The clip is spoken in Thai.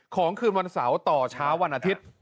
คืนวันเสาร์ต่อเช้าวันอาทิตย์